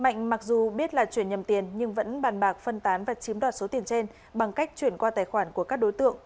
mạnh mặc dù biết là chuyển nhầm tiền nhưng vẫn bàn bạc phân tán và chiếm đoạt số tiền trên bằng cách chuyển qua tài khoản của các đối tượng